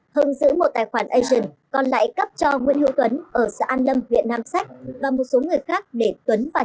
hưng giữ một tài khoản asian còn lại cấp cho nguyễn hữu tuấn ở sở an lâm việt nam sách và một số người khác để tuấn và nhật